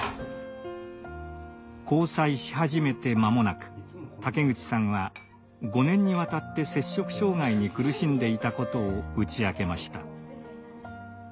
交際し始めて間もなく竹口さんは５年にわたって摂食障害に苦しんでいたことを打ち明けました。